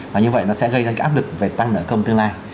và như vậy nó sẽ gây ra cái áp lực về tăng nợ công tương lai